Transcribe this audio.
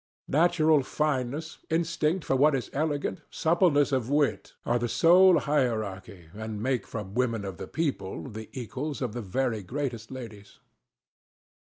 Natural fineness, instinct for what is elegant, suppleness of wit, are the sole hierarchy, and make from women of the people the equals of the very greatest ladies.